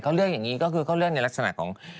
เขาเลือกอย่างนี้ก็คือเขาเลือกในลักษณะของ